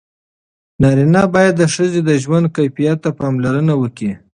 نارینه باید د ښځې د ژوند کیفیت ته پاملرنه وکړي.